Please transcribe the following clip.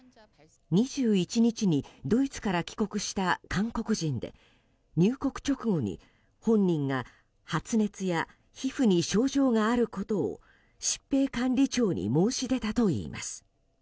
２１日にドイツから帰国した韓国人で入国直後に本人が発熱や皮膚に症状があることを疾病管理庁に申し出たといいます。